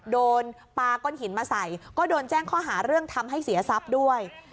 โดนปลาก้อนหินมาใส่ก็โดนแจ้งข้อหาเรื่องทำให้เสียทรัพย์ด้วย